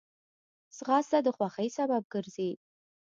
ځغاسته د خوښۍ سبب ګرځي